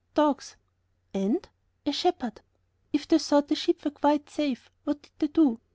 "Dogs." "And?..." "A shepherd." "If they thought the sheep were quite safe, what did they do?"